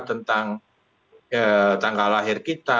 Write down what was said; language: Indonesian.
tentang tanggal lahir kita